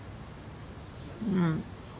うん。